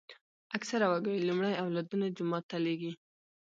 اکثره وګړي لومړی اولادونه جومات ته لېږي.